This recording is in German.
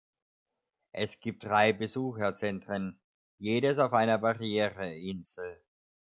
Es gibt drei Besucherzentren, jedes auf einer Barriereinsel.